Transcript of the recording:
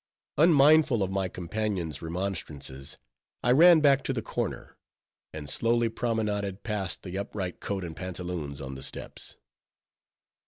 Unmindful of my companion's remonstrances, I ran back to the corner; and slowly promenaded past the upright coat and pantaloons on the steps.